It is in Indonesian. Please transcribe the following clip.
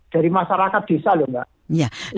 dari masyarakat desa lho mbak